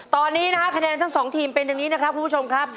ตอนนี้นะครับคะแนนทั้งสองทีมเป็นอย่างนี้นะครับคุณผู้ชมครับ